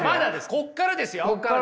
ここからですよ。